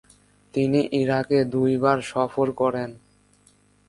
তিনি ইরাকে দুইবার সফর করেন।